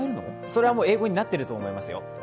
それは、もう英語になってると思いますよ。